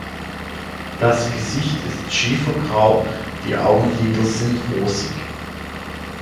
Das Gesicht ist schiefergrau, die Augenlider sind rosig.